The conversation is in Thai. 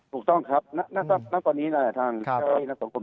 ถูกต้องครับณตอนนี้ทั้งนะครับ